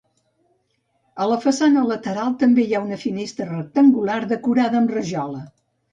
A la façana lateral també hi ha una finestra rectangular decorada amb rajola.